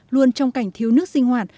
luôn trong cảnh thiếu nước sinh hoạt